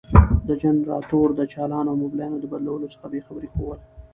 د جنراتور د چالان او مبلينو د بدلولو څخه بې خبري ښوول.